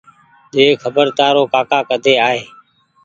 ۮي کبر تآرو ڪآڪآ ڪۮي آئي